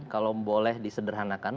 kalau boleh disederhanakan